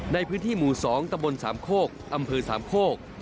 ในพื้นที่หมู่๒ตะบล๓โคกอำพือ๓โคก